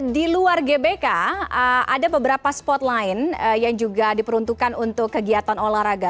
di luar gbk ada beberapa spot lain yang juga diperuntukkan untuk kegiatan olahraga